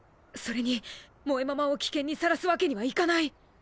それに萌ママを危険にさらすわけにはいかない！